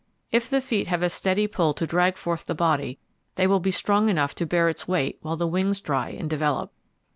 If the feet have a steady pull to drag forth the body, they will be strong enough to bear its weight while the wings dry and develop.